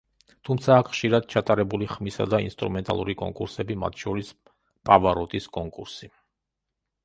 თუმცა აქ ხშირად ჩატარებული ხმისა და ინსტრუმენტალური კონკურსები, მათ შორის პავაროტის კონკურსი.